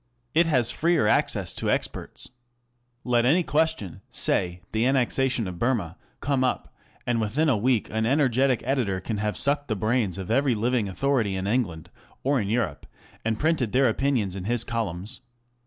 It has ^ freer access to experts. Let any question ŌĆö say the annexation of Burmah ŌĆö come up, and within a week an energetic editor can have sucked the brains of every living authority in England or in Europe, and printed their opinions in his columns.